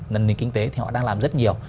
nền kinh tế thì họ đang làm rất nhiều